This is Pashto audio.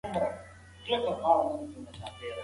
موږ باید د خپلو اولادونو د فکري ودې لپاره ډېره هڅه وکړو.